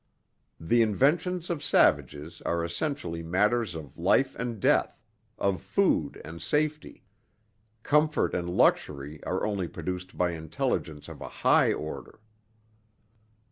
The inventions of savages are essentially matters of life and death, of food and safety. Comfort and luxury are only produced by intelligence of a high order.